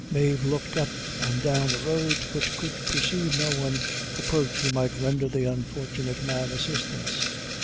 Mave looked up and down the road, but could perceive no one approach who might render the unfortunate man assistance.